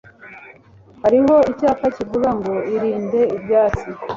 Hariho icyapa kivuga ngo: "Irinde ibyatsi."